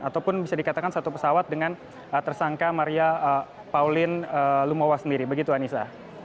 ataupun bisa dikatakan satu pesawat dengan tersangka maria pauline lumowa sendiri begitu anissa